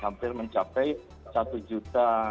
hampir mencapai satu juta